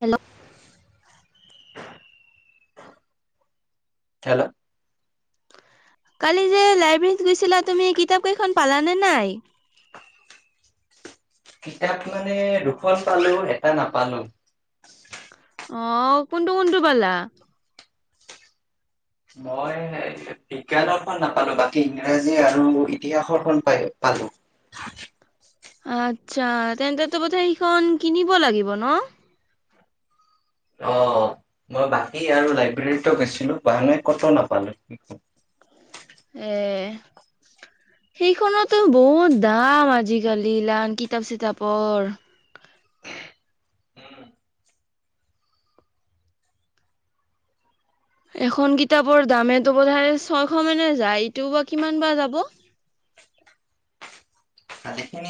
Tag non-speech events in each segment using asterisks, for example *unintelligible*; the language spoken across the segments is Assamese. হেল্ল' হেল্ল কালি যে লাইব্ৰেৰীত গৈছিলা তুমি কিতাপ কেইখন পালানে নাই? কিতাপ মানে দুখন পালো এটা নাপালো অ কোনটো কোনটো পালা মই বিজ্ঞানৰখন নাপালো বাকী ইংৰাজী আৰু ইতিহাসৰ খন পাই পালো আচ্ছা তেন্তে তো বথা সেইখন কিনিব লাগিব ন অ মই বাকী আৰু লাইব্ৰেৰীতো গৈছিলো বাহানাই কতো নাপালো এ সেইখনতো বহুত দাম আজিকালি লান কিতাপ চিতাপৰ উম, এখন কিতাপৰ দামেইটো বধাই ছয়শ মানে যায় ইটো বা কিমান বা যাব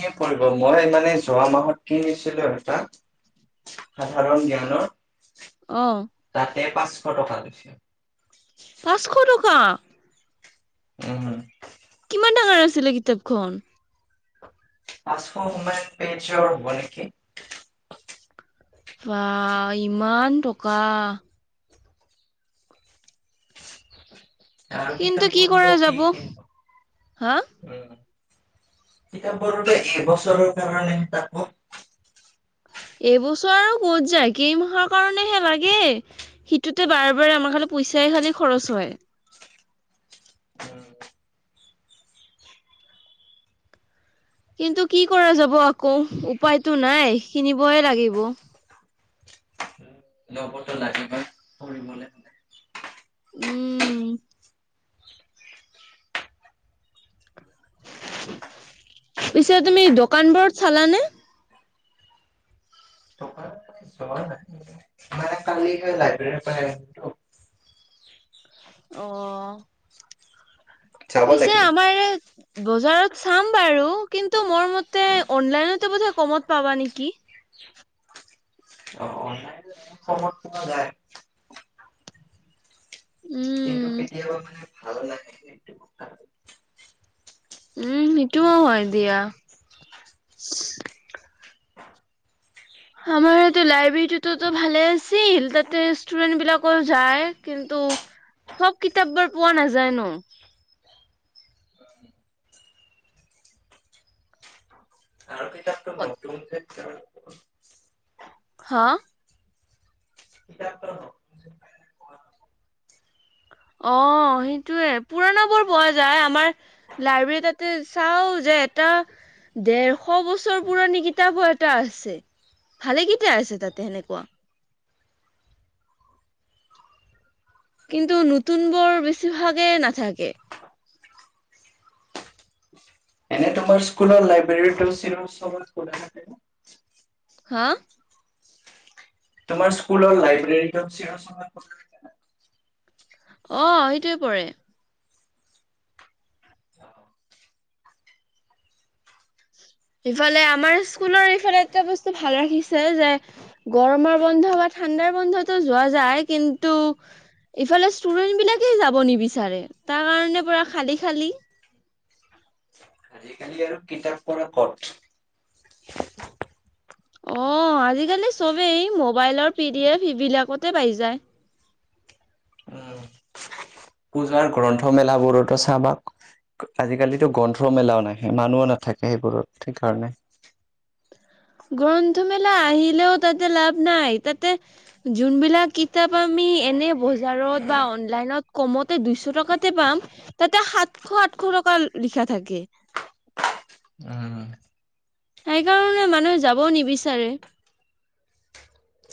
কি কৰিব মই মানে যোৱা মাহত কিনছিলো এটা সাধাৰণ জ্ঞানৰ অ তাতে পাঁচশ টকা লৈছিল *unintelligible* পাঁচশ টকা উম হ কিমান ডাঙৰ আছিলে কিতাপখন পাঁচশ সমান পেজৰ হব নেকি? বা ইমান টকা আৰু কিন্তু কিতাপ কি কৰা পঢ়লো যাব কি হা দিম কিতাপ পঢ়লে এবছৰৰ কাৰণে তাপক এইবছৰ আৰু ক'ত যায় কেইমাহৰ কাৰণেহে লাগে সিটোতে বাৰে বাৰে আমাৰ খালে পইচাই খালি খৰচ হয়। উম, কিন্তু কি কৰা যাব আকৌ উপায়তো নাই কিনিবহে লাগিব। ল'বতো লাগিবই পঢ়িবলে হ'লে। উম পিছে তুমি দোকানবোৰত চালানে? টকা যোৱা নাই মানে কালি লাইব্ৰেৰী পা আনিলো অ', যাব পিছে লাগিব। আমাৰ বজাৰত চাম বাৰু কিন্তু মোৰ মতে অনলাইনতে বোধে কমত পাবা নেকি? অ অনলাইন সময়ত পোৱা যায়। কিন্ত উম কেতিয়াবা মানে ভালে উম, সেইটো হয় দিয়া। আমাৰ এইটো লাইব্ৰেৰীটোতো ভালে আছিল, তাতে ষ্টুডেন্ট বিলাকো যায় কিন্তু চব কিতাপ বোৰ পোৱা নাযায় ন। আৰু কিতাপটো নতুন যে হা, কিতাপটো অ', সেইটোয়ে পুৰনা বোৰ পোৱা যায় আমাৰ লাইব্ৰেৰী তাতে চাও যে, এটা দেৰশ বছৰ পুৰণি কিতাপো এটা আছে ভালেকেইটা আছে তাতে সেনেকুৱা। কিন্তু নতুনবোৰ বেছিভাগে নাথাকে। এনে তোমাৰ স্কুলৰ লাইব্ৰেৰীত *unintelligible* হা, তোমাৰ স্কুলৰ লাইব্ৰেৰী *unintelligible* অ', সেইটোৱে পৰে। ইফালে আমাৰ স্কুলৰ এইফালে এটা বস্তু ভাল ৰাখিছে যে গৰমৰ বন্ধ বা ঠাণ্ডাৰ বন্ধতো যোৱা যায়, কিন্তু ইফালে ষ্টুডেন্ট বিলাকেই যাব নিবিচাৰে। তাৰ কাৰণে পোৰা খালী-খালি। খালি আৰু কিতাপ পঢ়া কত, অ', আজিকালি চবেই মোবাইলৰ পিডি এফ এইবিলাকতে পাই যায়। উম পূজাৰ গ্ৰন্থমেলাবোৰতো চাবা আজিকালিতো গ্ৰন্থ মেলাও নাহে মানুহে নাথাকে, সেইবোৰত সেইকাৰণে। গ্ৰন্থমেলা আহিলেও তাতে লাভ নাই তাতে যোনবিলাক কিতাপ আমি এনে বজাৰত বা অনলাইনত কমতে দুইশ টকাতে পাম, তাতে সাতশ আঠশ টকা লিখা থাকে। উম। সেইকাৰণে মানুহে যাবও নিবিচাৰে।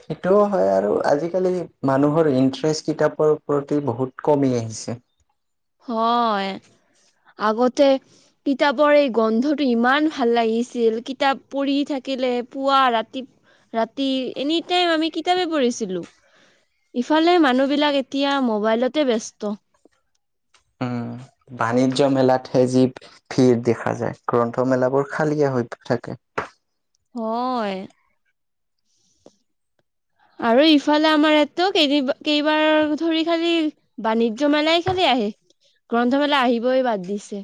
সেইটোও হয় আৰু আজিকালি মানুহৰ ইন্টাৰেষ্ট কিতাপৰ প্ৰতি বহুত কমি আহিছে। হয় আগতে কিতাপৰ এই গন্ধটো ইমান ভাল লাগিছিল কিতাপ পঢ়ি থাকিলে পুৱা ৰাতি, ৰাতি এনিটাইম আমি কিতাপে পঢ়িছিলো ইফালে মানুহবিলাক এতিয়া মবাইলতে ব্যস্ত। বাণিজ্য মেলাতহে যি ভিৰ দেখা যায় গ্ৰন্থমেলাবোৰ খালীয়া হৈ থাকে। হয়, আৰু ইফালে আমাৰ ইয়াতো কেই কেইবাৰ ধৰি খালি বাণিজ্য মেলাই খালি আহে গ্ৰন্থমেলা আহিবই বাদ দিছে।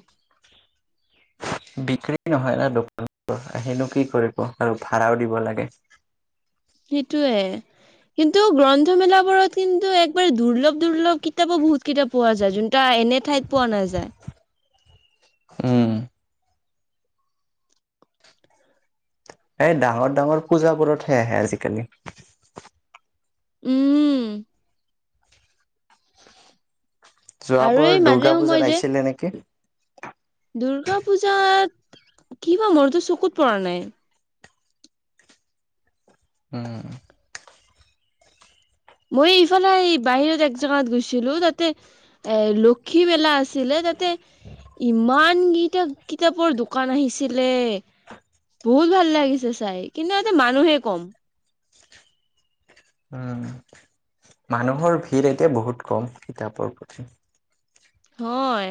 বিক্ৰী নহয় না দোকান আহিনো কি কৰিব আৰু ভাড়াও দিব লাগে। সেইটোৱে কিন্তু গ্ৰন্থমেলাবোৰত কিন্তু একবাৰ দুৰ্লভ-দুৰ্লভ কিতাপো বহুত কিতাপ পোৱা যায় যোনত এনে ঠাইত পোৱা নাযায়। উম, এই ডাঙৰ-ডাঙৰ পূজাবোৰতহে আহে আজিকালি। উম, আৰু এই যোৱাবাৰ মাজে দুৰ্গা সময়ে পূজাত যে আহিছিলে নেকি? দুৰ্গা পূজাত কিবা মোৰতো চকুত পৰা নাই। উম, মই ইফালে বাহিৰত একজেগাত গৈছিলো। তাতে এ লক্ষী মেলা আছিলে তাতে ইমান কেইটা কিতাপৰ দোকান আহিছিলে, বহুত ভাল লাগিছে চাই কিন্তু তাতে মানুহে কম। উম, মানুহৰ ভিৰ এতিয়া বহুত কম কিতাপৰ প্ৰতি। হয়,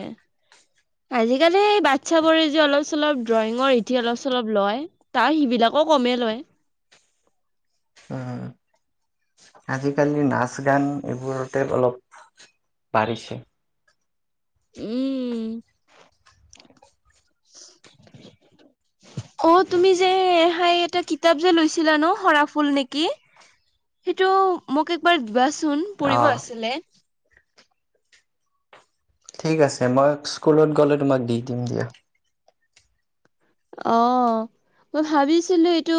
আজিকালি বাচ্ছাবোৰে যে অলপ-চলপ ড্ৰয়িঙৰ ইতি অলপ চলপ লয় তাৰ সিবিলাকো কমেই লয়। উ, আজিকালি নাচ গান এইবোৰতে অলপ বাঢ়িছে। উম, অ', তুমি যে হাই এটা কিতাপ যে লৈছিলা ন সৰাফুল নেকি সেইটো, মোক একবাৰ দিবা চোন পঢ়িব অ' আছিলে। ঠিক আছে মই স্কুলত গলে তোমাক দি দিম দিয়া। অ', মই ভাবিছিলো এইটো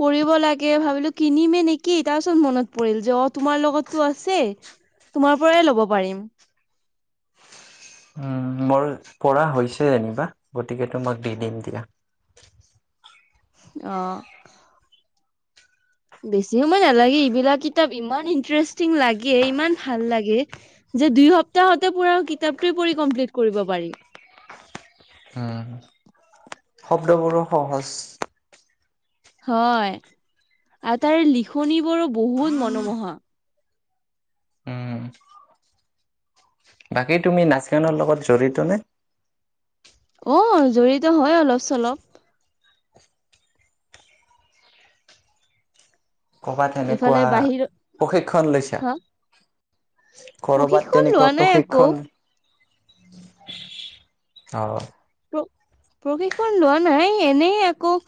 পৰিব লাগে ভাবিলো কিনিমে নেকি তাৰপিছত মনত পৰিল যে অ', তোমাৰ লগতটো আছে তোমাৰ পৰাই ল'ব পাৰিম। উম, মোৰ পৰা হৈছে যেনিবা গতিকে তোমাক দি দিম দিয়া। আহ, বেছি সময় নালাগে এইবিলাক কিতাব ইমান ইনষ্টেৰেচতিং লাগে, ইমান ভাল লাগে, যে দুই সপ্তাহতে পাৰি। উম, শব্দবোৰো সহজ। হয়, আৰু তাৰে লিখনিবোৰো বহুত মনোমোহা। উম, বাকী তুমি নাচ গানৰ লগত জড়িত নে? অ' জড়িত হয় অলপ চলপ। কৰবাত তেনেকুৱা ইফালে বাহিৰ প্ৰশিক্ষণ লৈছা? হা কৰবাত প্ৰশিক্ষণ তেনেকুৱা লোৱা নাই আকৌ। প্ৰশিক্ষণ অ' প্ৰ প্ৰশিক্ষণ লোৱা নাই এনেই আকৌ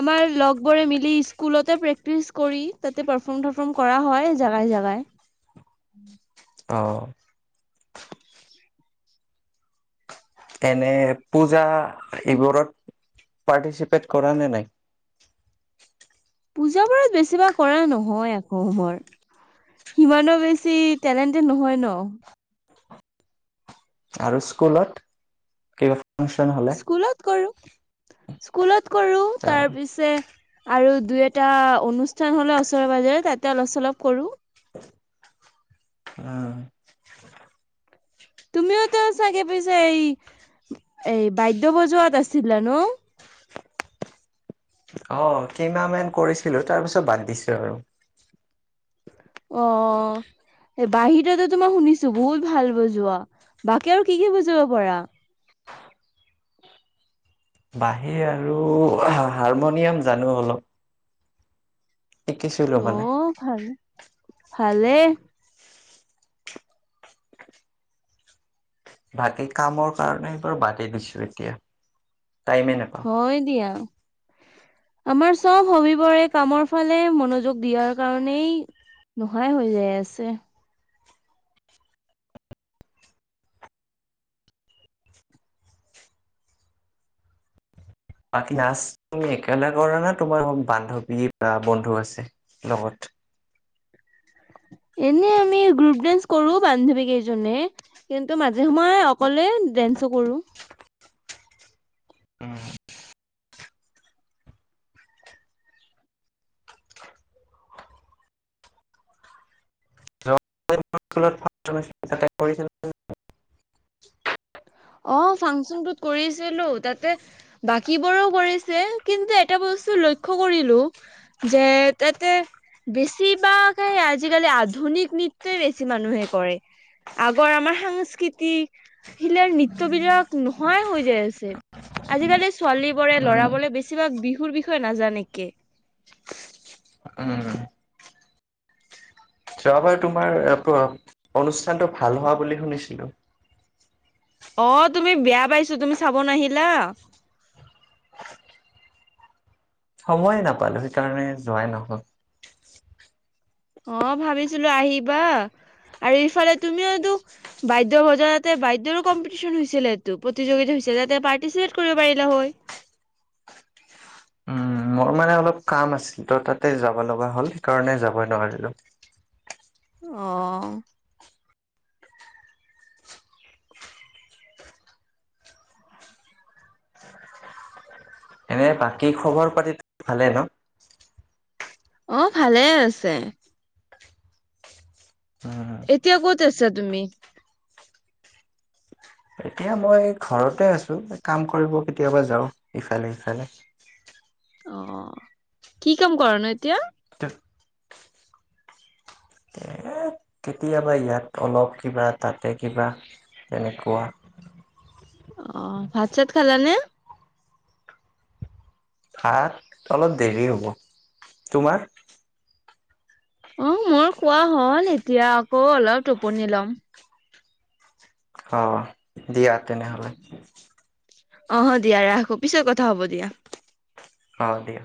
আমাৰ লগবৰে মিলি স্কুলতে প্ৰেক্টিচ কৰি তাতে পাৰফৰ্ম চাৰফৰ্ম কৰা হয় জাগাই জোগাই। অ' এনে পূজা এইবোৰত পাৰ্টিচিপেট কৰা নে নাই? পূজা বোৰত বেছিভাগ কৰা নহয় আকৌ‌ মোৰ সিমানো বেছি টেলেণ্টেড নহয় ন? আৰু স্কুলত কি স্কুলত কৰোঁ। স্কুলত কৰো তাৰ অ' পিছে আৰু দুই এটা অনুষ্ঠান হ'লে ওচৰে পাজৰে তাতে অলপ চলপ কৰোঁ। অ' তুমিওতো চাগে পইছো এই এই বাদ্যয় বজোৱাত আছিলা ন? অ' কেইমাহ মান কৰিছিলো তাৰপিছত বাদ দিছো আৰু। অ' বাহিৰটো তোমাৰ শুনিছো বহুত ভাল বজোৱা বাকী আৰু কি কি বুজাব পাৰা? বাঁহী আৰু হাৰমনিয়াম জানো অলপ। শিকিছিলো অ মানে। 'ভাল ভালে। বাকী কামৰ কাৰণে এইবোৰ বাদেই দিছো এতিয়া। টাইমে নাপাওঁ। হয় দিয়া। আমাৰ চব সবিবৰে কামৰ ফালে মনোযোগ দিয়াৰ কাৰনেেই নোহোৱাই ই হৈ যাই আছে। বাকী নাচ তুমি একেলে কৰা না তোমাৰ বান্ধৱী বা বন্ধু আছে লগত। এনে আমি গ্ৰুপ ডেন্স কৰো বান্ধৱী কেইজনে কিন্তু মাজে সময়ে অকলে ডেন্সো কৰো। উম, *inaudible* অ ফাংচনটোত কৰিছিলো তাতে বাকীবোৰেও কৰিছে কিন্তু এটা বস্তু লক্ষ্য কৰিলো, যে তাতে বেছি বা আজিকালি আধুনিক নৃত্যয়ই বেছি মানুহে কৰে ।আগৰ আমাৰ সাংস্কৃতিক, শিলাৰ নৃত্য বস্তু বিলাক নোহোৱাই হৈ যায় আছে ।আজিকালি ছোৱালী বোৰে লৰাবোৰে বেছিভাগ বিহুৰ বিষয়ে নাজানে কে। উম। যোৱাবাৰ তোমাৰ অনুষ্ঠানটো ভাল হোৱা বুলি শুনিছিলো। অ' তুমি বেয়া পাইছো তুমি চাব নাহিলা। সময় নাপালো সেইকাৰণে যোৱাই নহ'ল। অ' ভাবিছিল আহিবা, আৰু ইফালে তুমিয়োতো বাদ্য বজোৱাটো বাদ্য কম্পিটিচন হৈছিল টো প্ৰতিযোগিতা হৈছিল তাতে পৰ্তিচিপেত কৰিব পাৰিলা হয়। মোৰ মানে অলপ কাম আছিল তো তাতে যাব লগা হ'ল সেইকাৰণে যাবই নোৱাৰিলো। অ' এনে বাকী খবৰ পাতি ভালে ন? অ 'ভালেই আছে। উম, এতিয়া ক'ত আছা তুমি? এতিয়া মই ঘৰতে আছো। কাম কৰিব কেতিয়াবা যাওঁ ইফালে সিফালে। অ 'কি কাম কৰা নো এতিয়া? কেতিয়াবা ইয়াত অলপ কিবা তাতে কিবা তেনেকুৱা। অ' ভাত চাত খালানে? ভাত অলপ দেৰি হ'ব '? অ মোৰ কোৱা হল এতিয়া আকৌ অলপ টোপনি লম। অ দিয়া তেনেহলে অ দিয়া ৰাখো পিছৰ কথা হ'ব দিয়া অ দিয়া